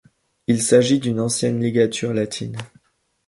Il s'agit d'une ancienne ligature latine.